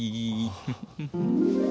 フフフフ。